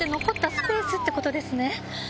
スペースってことですね。